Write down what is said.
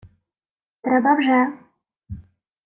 — Треба вже...